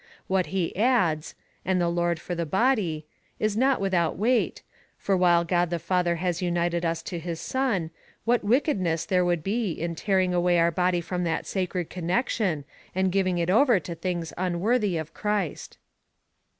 What he adds^ — and the Lord for the body, is not without weight, for while God the Father has united us to his Son, what wickedness there would be in tearing away our body from that sacred connection, and giving it over to things unworthy of Christ